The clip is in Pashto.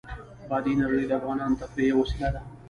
بادي انرژي د افغانانو د تفریح یوه وسیله ده.